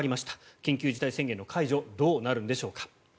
緊急事態宣言の解除どうなるんでしょうか。